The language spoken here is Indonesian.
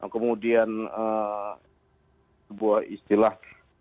kemudian sebuah istilah